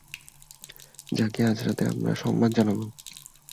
যাকে আজ রাতে আমরা সম্মান জানাব।